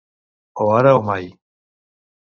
O ara o mai.